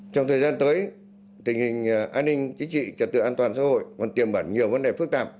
trong thời gian tới tình hình an ninh chính trị trật tự an toàn xã hội còn tiềm bản nhiều vấn đề phức tạp